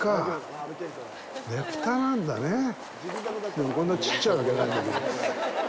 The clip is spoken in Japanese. でも、こんなちっちゃいわけないんだけど。